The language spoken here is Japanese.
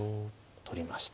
取りました。